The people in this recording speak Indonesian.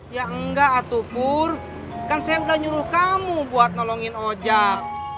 ya enggak atukur kan saya udah nyuruh kamu buat nolongin ojak